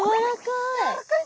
やわらかい！